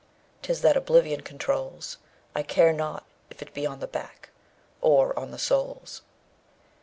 'Tis that oblivion controls; I care not if't be on the back, Or on the soles.